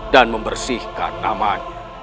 dan membersihkan namanya